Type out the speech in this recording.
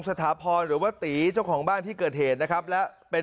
สถาพรหรือว่าตีเจ้าของบ้านที่เกิดเหตุนะครับและเป็น